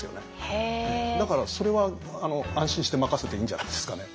だからそれは安心して任せていいんじゃないですかね。